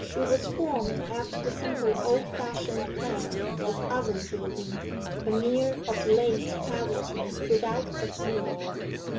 It was formed after the simple old fashioned plan of oven building a mere oblate cavity without a flue.